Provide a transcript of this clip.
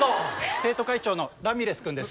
生徒会長のラミレス君です。